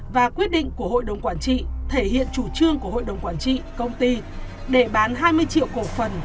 và quyết định của hội đồng quản trị thể hiện chủ trương của hội đồng quản trị công ty để bán hai mươi triệu cổ phần